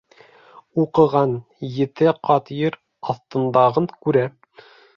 Уҡыған ете ҡат ер аҫтындағын күрә